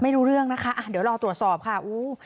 ไม่รู้เรื่องนะคะอ่ะเดี๋ยวรอตรวจสอบค่ะอู้